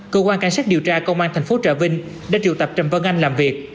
cơ quan cảnh sát điều tra công an thành phố trà vinh đã triệu tập trần văn anh làm việc